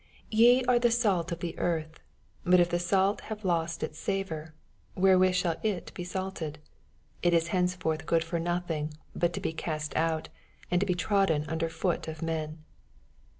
18 Te are the salt of the earth : but if the salt have lost his savor, where with shall it be salted ? it is thenceforth good for nothing, but to bo cast out, and to be trodden under foot of men.